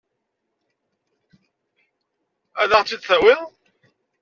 Ad ɣ-t-id-tawiḍ?